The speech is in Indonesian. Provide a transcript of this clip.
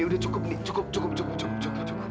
ini udah cukup nih cukup cukup cukup